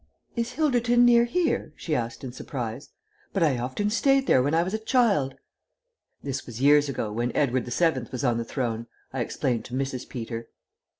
"Is Hilderton near here?" she asked in surprise. "But I often stayed there when I was a child." "This was years ago, when Edward the Seventh was on the throne," I explained to Mrs. Peter.